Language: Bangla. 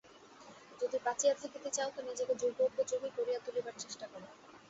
যদি বাঁচিয়া থাকিতে চাও তো নিজেকে যুগোপযোগী করিয়া তুলিবার চেষ্টা কর।